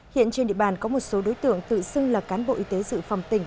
hiện trên địa bàn có một số đối tượng tự xưng là cán bộ y tế dự phòng tỉnh